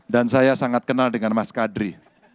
dan saya sangat kenal dengan mas kadri